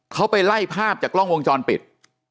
เขาไปไล่ภาพจากกล้องวงจรปิด